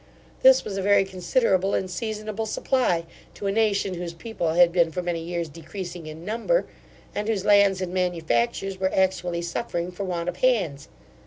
This was a very considerable and seasonable supply to a nation, whose people had been for many years decreasing in number, and whose lands and manufactures were actually suffering for want of hands.